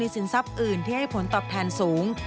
สินทรัพย์อื่นที่ให้ผลตอบแทนสูง